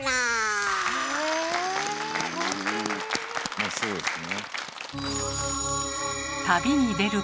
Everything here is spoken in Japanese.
まあそうですね。